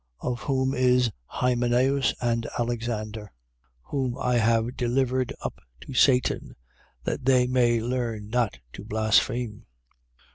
1:20. Of whom is Hymeneus and Alexander, whom I have delivered up to Satan, that they may learn not to blaspheme.